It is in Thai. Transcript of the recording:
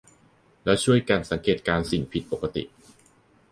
แล้วช่วยกันสังเกตการณ์สิ่งผิดปกติ